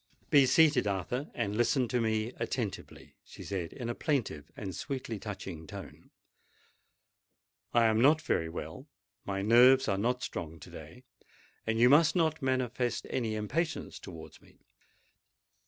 "Be seated, Arthur—and listen to me attentively," she said in a plaintive and sweetly touching tone. "I am not very well—my nerves are not strong to day—and you must not manifest any impatience towards me.